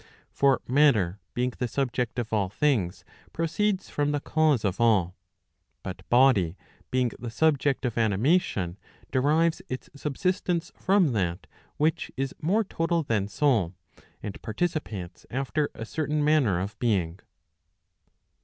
For matter being the subject of all things proceeds from the cause of all. But body being the subject of animation, derives its subsistence from that which is more total than soul, and participates after a certain manner of being.